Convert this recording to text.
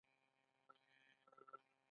احمد چې نړۍ ولیدله سترګې یې خلاصې شولې.